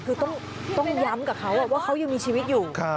คือต้องย้ำกับเขาว่าเขายังมีชีวิตอยู่